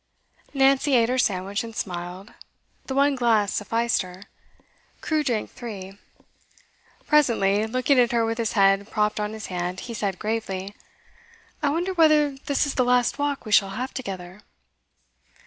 Nancy ate her sandwich and smiled. The one glass sufficed her; Crewe drank three. Presently, looking at her with his head propped on his hand, he said gravely: 'I wonder whether this is the last walk we shall have together?